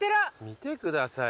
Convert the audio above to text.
見てください。